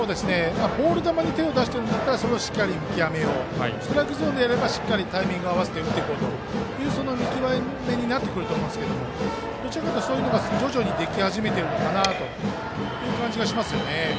ボール球に手を出すならしっかり見極めようストライクゾーンであればしっかりタイミングを合わせて打っていこうという見極めになってくると思いますけどどちらかというと徐々にでき始めている感じですね。